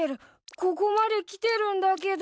ここまで来てるんだけど。